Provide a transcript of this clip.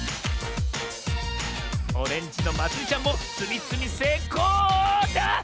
オレンジのまつりちゃんもつみつみせいこうあっ